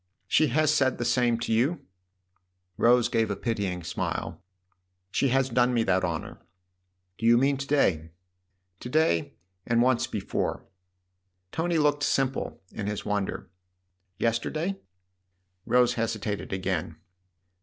"She has said the same to you ?" Rose gave a pitying smile. " She has done me that honour." " Do you mean to day ?"" To day and once before." Tony looked simple in his wonder. "Yester day?" Rose hesitated again.